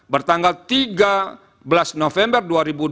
bertanggal tiga belas november dua ribu dua puluh